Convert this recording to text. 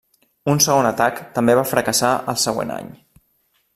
Un segon atac també va fracassar al següent any.